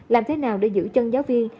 làm thế nào để giữ chân giáo viên